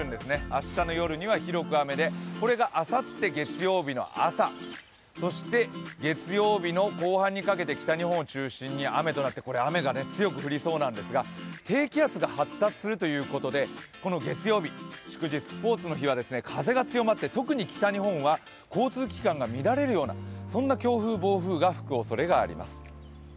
明日の夜には広く雨で、これがあさって月曜日の朝、そして月曜日の後半にかけて北日本を中心に雨となって強く降りそうなんですが低気圧が発達するということでこの月曜日、祝日・スポーツの日は特に北日本は交通機関が乱れるようなそんな強風・暴風が吹くおそれがあります。